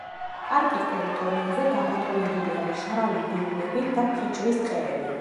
პარკის ტერიტორიაზე გაბატონებულია მშრალი დიუნები და ფიჭვის ტყეები.